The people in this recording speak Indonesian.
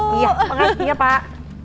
penghati ya pak